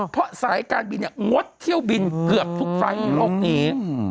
เพราะสายการบินงดเที่ยวบินเกือบทุกไฟล์ในโลกนี้